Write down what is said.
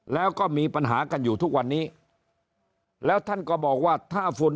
แล้วก็มีปัญหากันอยู่ทุกวันนี้แล้วท่านก็บอกว่าถ้าฝุ่น